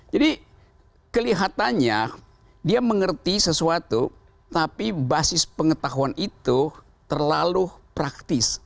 jadi kelihatannya dia mengerti sesuatu tapi basis pengetahuan itu terlalu praktis